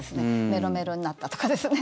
メロメロになったとかですね。